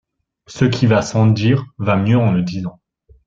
Ce qui va sans dire va mieux en le disant.